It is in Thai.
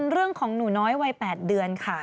เรื่องของหนูน้อยวัย๘เดือนค่ะ